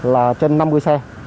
là trên năm mươi xe